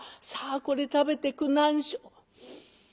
さあこれ食べてくなんしょ」。